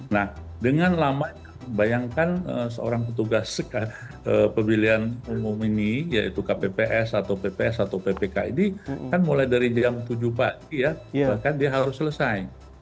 nah dengan lama bayangkan seorang petugas pemilihan umum ini yaitu kpps atau pps atau ppk ini kan mulai dari jam tujuh pagi ya bahkan dia harus selesai